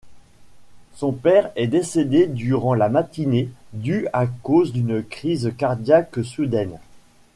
Son père est décédé durant la matinée du à cause d'une crise cardiaque soudaine.